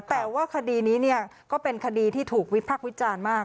แต่ว่าคดีนี้ก็เป็นคดีที่ถูกวิพากษ์วิจารณ์มาก